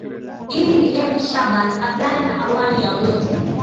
imi ni ebi shaban abdala na awali ya yote